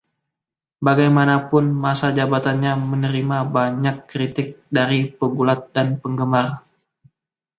Bagaimanapun, masa jabatannya menerima banyak kritik dari pegulat dan penggemar.